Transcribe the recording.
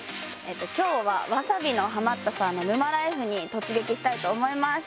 今日はわさびのハマったさんの沼ライフに突撃したいと思います！